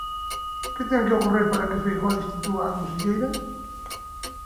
Que ten que ocorrer para que Feijóo destitúa a conselleira?